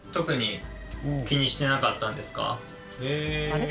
あれ？